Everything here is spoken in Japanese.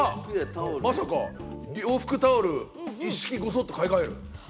まさか洋服やタオルを一式ごそっと変える？